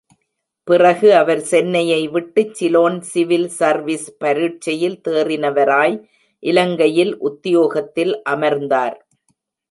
பிறகு அவர் சென்னையை விட்டுச் சிலோன் சிவில் சர்வீஸ் பரீட்சையில் தேறினவராய், இலங்கையில் உத்யோகத்தில் அமர்ந்தார்.